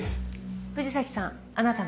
藤崎さんあなたも。